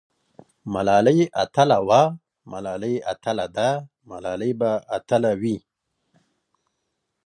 ملالۍ اتله وه؟